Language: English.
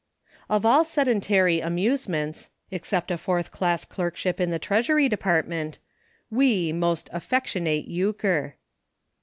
Of all sedentary amusements — except a fourth class clerkship in the Treasury De partment — ice most '' affectionate"' Euchre.